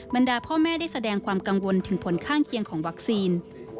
ดาพ่อแม่ได้แสดงความกังวลถึงผลข้างเคียงของวัคซีน